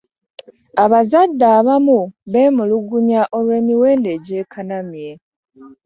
Abazadde abamu bemulugunya olw'emiwendo egyekanamye.